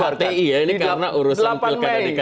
perasaan hti ya ini karena urusan pilkada dki